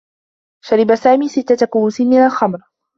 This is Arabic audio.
شرب سامي ستة كؤوس من الخمر.